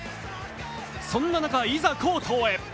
そんな中いざコートへ。